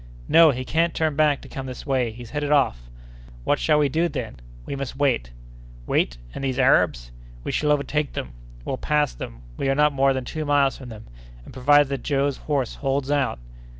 "No! he can't turn back to come this way. He's headed off!" "What shall we do, then?" "We must wait." "Wait?—and these Arabs!" "We shall overtake them. We'll pass them. We are not more than two miles from them, and provided that Joe's horse holds out!"